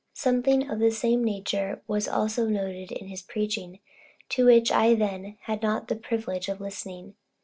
Something of the same nature was also noted in his preaching, to which I then had not the privilege of listening.